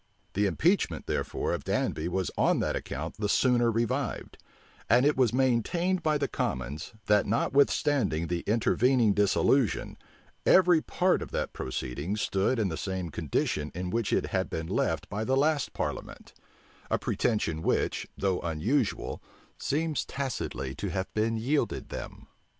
The impeachment, therefore, of Danby was on that account the sooner revived; and it was maintained by the commons, that notwithstanding the intervening dissolution, every part of that proceeding stood in the same condition in which it had been left by the last parliament; a pretension which, though unusual, seems tacitly to have been yielded them.